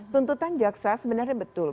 tuntutan jaksa sebenarnya betul